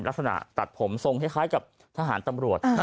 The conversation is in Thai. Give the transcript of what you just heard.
ลักษณะตัดผมทรงคล้ายกับทหารตำรวจ